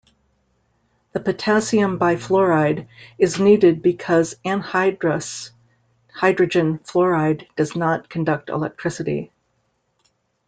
The potassium bifluoride is needed because anhydrous hydrogen fluoride does not conduct electricity.